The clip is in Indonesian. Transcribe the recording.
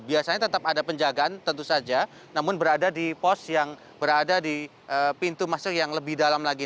biasanya tetap ada penjagaan tentu saja namun berada di pos yang berada di pintu masuk yang lebih dalam lagi